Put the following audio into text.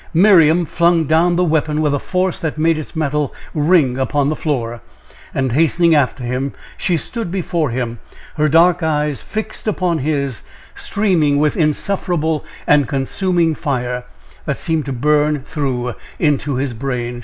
Miriam flung down the weapon with a force that made its metal ring upon the floor, and hastening after him, she stood before him; her dark eyes fixed upon his, streaming with insufferable and consuming fire, that seemed to burn through into his brain.